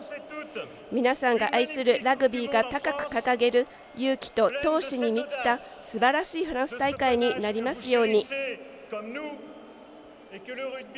皆さんが愛するラグビーが高く掲げる勇気と闘志に満ちたすばらしいフランス大会になりますように。